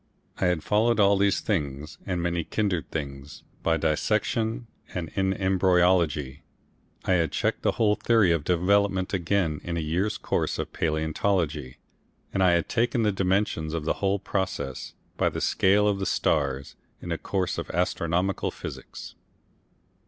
I had followed all these things and many kindred things by dissection and in embryology I had checked the whole theory of development again in a year's course of palaeontology, and I had taken the dimensions of the whole process, by the scale of the stars, in a course of astronomical physics.